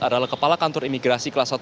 adalah kepala kantor imigrasi kelas satu